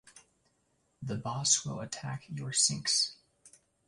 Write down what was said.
The boss will attack your sinks.